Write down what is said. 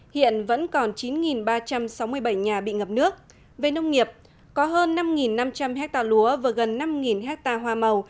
hiện vẫn còn chín ba trăm sáu mươi bảy nhà bị ngập nước về nông nghiệp có hơn năm năm trăm linh hectare lúa và gần năm ha hoa màu